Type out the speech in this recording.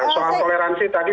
soal toleransi tadi